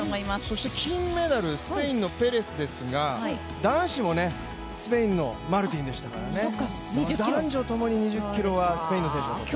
そして金メダルスペインのペレスですがスペインのマルティンでしたからね、男女ともに２０ｋｍはスペインの選手がとった。